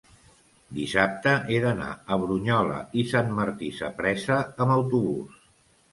dissabte he d'anar a Brunyola i Sant Martí Sapresa amb autobús.